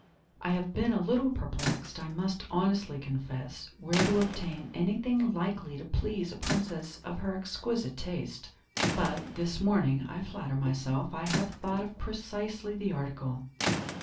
I have been a little perplexed, I must honestly confess, where to obtain anything likely to please a princess of her exquisite taste. But, this morning, I flatter myself, I have thought of precisely the article."